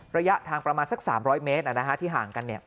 ระยะทางประมาณสัก๓๐๐เมตรที่ห่างกัน